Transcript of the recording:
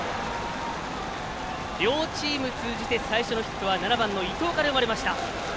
両チーム通じて、最初のヒットは７番の伊藤から生まれました。